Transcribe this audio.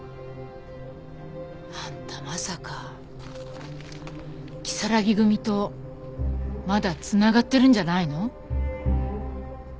あんたまさか如月組とまだ繋がってるんじゃないの？